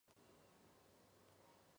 En el colegio la apodaban "Spit el perro".